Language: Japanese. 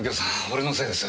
俺のせいです。